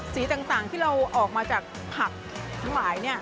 สีต่างที่เราออกมาจากผักทั้งหลาย